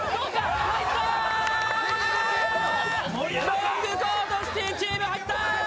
ロングコートシティチーム入った！